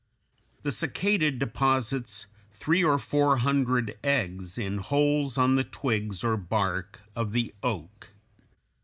The cicada deposits three or four hundred eggs in holes on the twigs or bark of the oak.